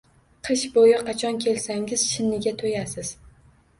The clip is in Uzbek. Qish bo‘yi qachon kelsangiz, shinniga to‘yasiz.